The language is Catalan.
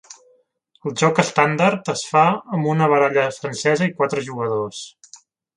El joc estàndard es fa amb una baralla francesa i quatre jugadors.